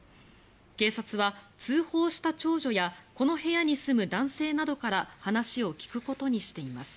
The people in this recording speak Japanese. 警察は、通報した長女やこの部屋に住む男性などから話を聞くことにしています。